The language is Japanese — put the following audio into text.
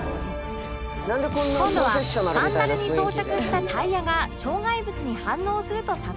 今度はサンダルに装着したタイヤが障害物に反応すると作動